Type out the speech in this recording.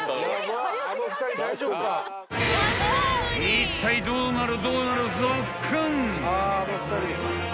［いったいどうなる？］